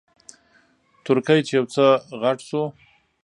تورکى چې يو څه غټ سو.